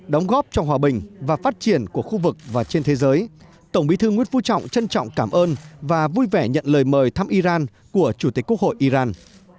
đóng góp cho hòa bình và phát triển của khu vực và trên thế giới tổng bí thư nguyễn phú trọng trân trọng cảm ơn và vui vẻ nhận lời mời thăm iran của chủ tịch quốc hội iran